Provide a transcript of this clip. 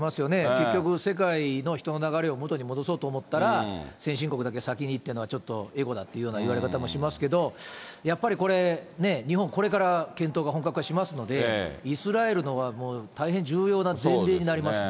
結局、世界の人の流れを元に戻そうと思ったら、先進国だけ先にっていうのはちょっとエゴだっていういわれ方もしますけど、やっぱりこれ、日本、これから検討が本格化しますので、イスラエルのは大変重要な前例になりますね。